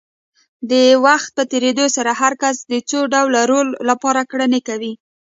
د وخت په تېرېدو سره هر کس د څو ډوله رول لپاره کړنې کوي.